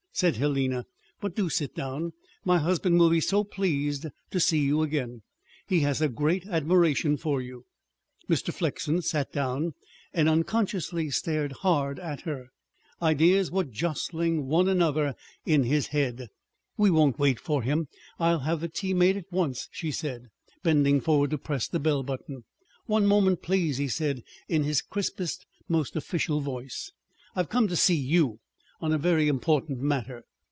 said Helena. "But do sit down. My husband will be so pleased to see you again. He has a great admiration for you." Mr. Flexen sat down and unconsciously stared hard at her. Ideas were jostling one another in his head. "We won't wait for him. I'll have the tea made at once," she said, bending forward to press the bell button. "One moment, please," he said in his crispest, most official voice. "I've come to see you on a very important matter."